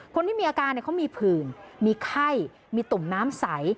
คนที่มีอาการเขามีผื่นมีไข้มีตุ่มน้ำใส